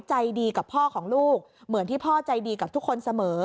ใจดีกับพ่อของลูกเหมือนที่พ่อใจดีกับทุกคนเสมอ